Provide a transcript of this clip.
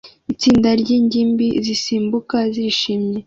Itsinda ryingimbi zisimbuka zishimye